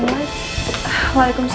oh diganggu apa regionnya sih